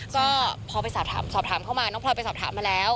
สอบถามเข้ามาน้องพรไปสอบถามมาแล้ว